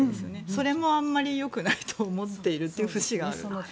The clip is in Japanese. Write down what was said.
それもあんまり良くないと思っている節がある。